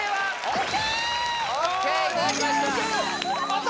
ＯＫ！ＯＫいただきました